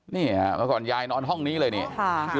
เนี่ยมาก่อนยายนอนห้องนี้เลยเนี่ย